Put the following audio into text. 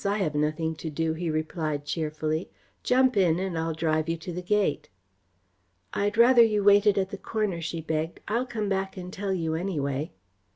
I have nothing to do," he replied cheerfully. "Jump in and I'll drive you to the gate." "I'd rather you waited at the corner," she begged. "I'll come back and tell you, anyway."